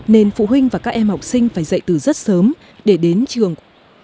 nên phụ huynh và các em học sinh phải dậy từ rất sớm để đến trường